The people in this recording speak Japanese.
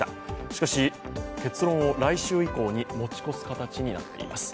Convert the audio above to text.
しかし、結論を来週以降に持ち越す形になっています。